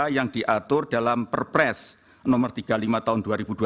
yang diatur dalam perpres nomor tiga puluh lima tahun dua ribu dua puluh